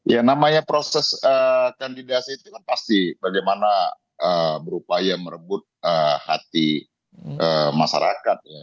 ya namanya proses kandidasi itu kan pasti bagaimana berupaya merebut hati masyarakat ya